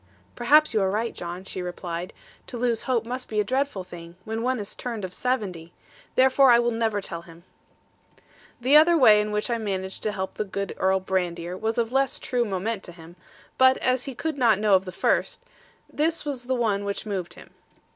'Perhaps you are right, John,' she replied: 'to lose hope must be a dreadful thing, when one is turned of seventy. Therefore I will never tell him.' The other way in which I managed to help the good Earl Brandir was of less true moment to him; but as he could not know of the first, this was the one which moved him.